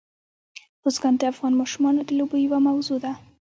بزګان د افغان ماشومانو د لوبو یوه موضوع ده.